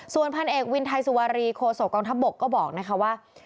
ส่วนพันเอกวินไทยสุวารีโคศกองทัพบกก็บอกนะคะว่า